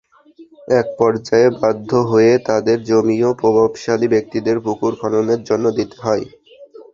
একপর্যায়ে বাধ্য হয়ে তাঁদের জমিও প্রভাবশালী ব্যক্তিদের পুকুর খননের জন্য দিতে হয়।